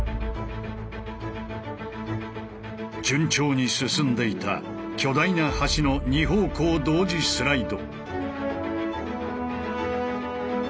順調に進んでいた巨大な橋の２方向同時スライド。